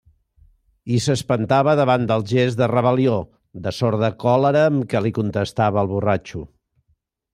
I s'espantava davant del gest de rebel·lió, de sorda còlera amb què li contestava el borratxo.